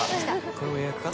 これも予約か？